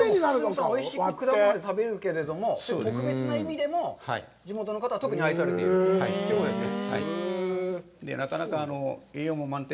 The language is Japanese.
普通においしい果物で、食べるけれども、特別な意味でも地元の方、特に愛されてるということですね。